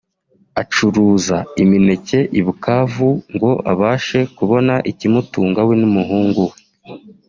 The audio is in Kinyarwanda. acuruza imineke i Bukavu ngo abashe kubona ikimutunga we n’umuhungu we